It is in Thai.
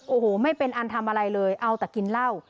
โอ้โหไม่เป็นอันทำอะไรเลยเอาแต่กินเหล้า